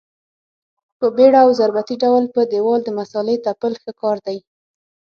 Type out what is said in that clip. په بېړه او ضربتي ډول په دېوال د مسالې تپل ښه کار دی.